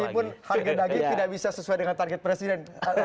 meskipun harga daging tidak bisa sesuai dengan target presiden